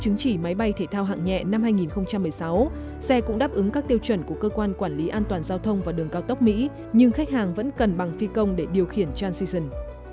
chứng chỉ máy bay thể thao hạng nhẹ năm hai nghìn một mươi sáu xe cũng đáp ứng các tiêu chuẩn của cơ quan quản lý an toàn giao thông và đường cao tốc mỹ nhưng khách hàng vẫn cần bằng phi công để điều khiển transition